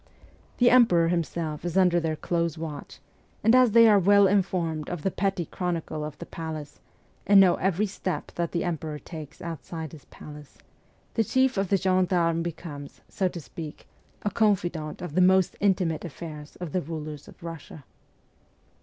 The Emperor himself is under their close watch, and as they are well informed of the petty chronicle of the palace, and know every step that the Emperor takes outside his palace, the chief of the gendarmes becomes, so to speak, a confidant of the most intimate affairs of the rulers of Russia.